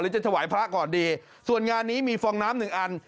จะถวายพระก่อนดีส่วนงานนี้มีฟองน้ำหนึ่งอัน